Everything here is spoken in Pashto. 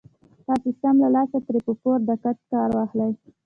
تاسې سم له لاسه ترې په پوره دقت کار واخلئ.